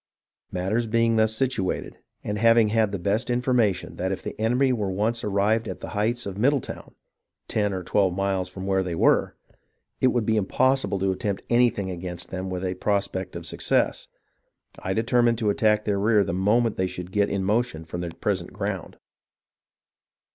Matters being thus situated, and having had the best informa tion that if the enemy were once arrived at the heights of Middle town, ten or twelve miles from where they were, it would be impossible to attempt anything against them with a prospect of success, I determined to attack their rear the moment they should get in motion from their present ground.